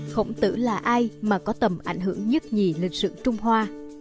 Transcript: khổng tử là ai mà có tầm ảnh hưởng nhất nhì lịch sử trung hoa